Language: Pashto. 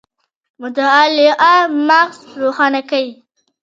مطالعه مغز روښانه کوي